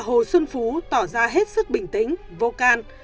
hồ xuân phú tỏ ra hết sức bình tĩnh vô can